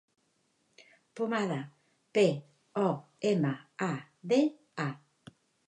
Pomada: pe, o, ema, a, de, a.